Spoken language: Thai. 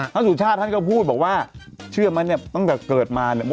ฉันสู่ชาติเขาพูดว่าว่าชื่อมั้ยตั้งแต่เกิดมา